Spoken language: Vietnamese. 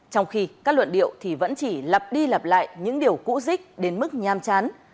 trong khi các luận điệu thì vẫn chỉ lặp đi lặp lại những điều cũ dích đến mức nham chán